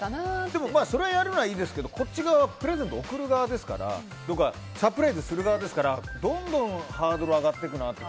でも、それをやるのはいいですけどこっち側はプレゼントを贈る側ですからとか、サプライズする側だからどんどんハードル上がっていくなと。